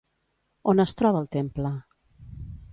On es troba el temple?